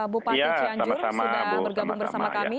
bupati cianjur sudah bergabung bersama kami